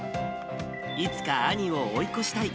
いつか兄を追い越したい。